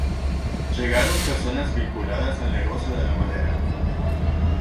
Llegaron personas vinculadas al negocio de la madera.